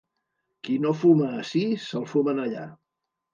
Qui no fuma ací, se'l fumen allà.